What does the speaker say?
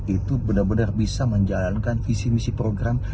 itu benar benar bisa menjalankan visi misi program